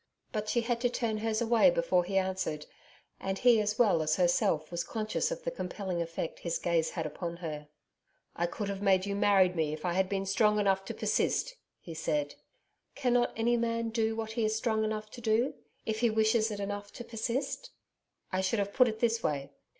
But she had to turn hers away before he answered, and he as well as herself was conscious of the compelling effect his gaze had upon her. 'I could have made you marry me if I had been strong enough to persist,' he said. 'Cannot any man do what he is strong enough to do if he wishes it enough to persist?' 'I should have put it this way.